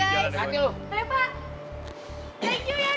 thank you yari balik tolongin gue